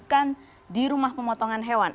bukan di rumah pemotongan hewan